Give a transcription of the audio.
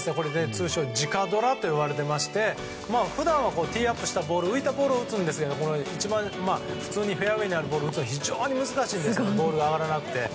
通称、直ドラと呼ばれていまして普段は、ティーアップしたボール浮いたボールを打つんですが普通にフェアウェーにあるボールを打つのが非常に難しいんですけどボールが上がらなくて。